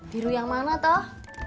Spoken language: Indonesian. biru yang mana toh